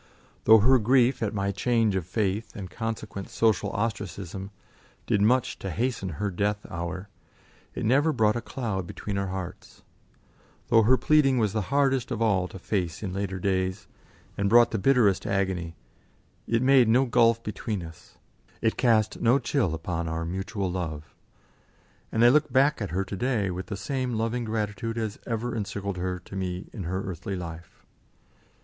Though her grief at my change of faith and consequent social ostracism did much to hasten her death hour, it never brought a cloud between our hearts; though her pleading was the hardest of all to face in later days, and brought the bitterest agony, it made no gulf between us, it cast no chill upon our mutual love. And I look back at her to day with the same loving gratitude as ever encircled her to me in her earthly life.